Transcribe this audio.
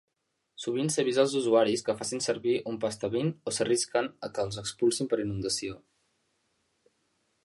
Sovint s'avisa als usuaris que facin servir un "pastebin" o s'arrisquen a que els "expulsin" per "inundació".